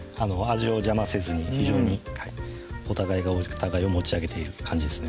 味を邪魔せずに非常にお互いがお互いを持ち上げているって感じですね